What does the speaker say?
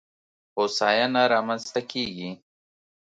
هوساینه رامنځته کېږي.